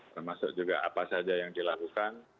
termasuk juga apa saja yang dilakukan